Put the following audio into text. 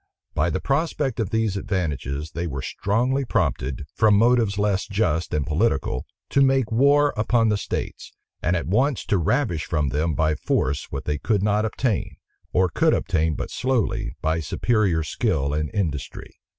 By the prospect of these advantages, they were strongly prompted, from motives less just and political, to make war upon the states; and at once to ravish from them by force what they could not obtain, or could obtain but slowly, by superior skill and industry.